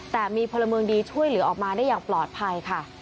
แต่มีพลเมืองดีช่วยเหลือออกมาได้อย่างปลอดภัยค่ะ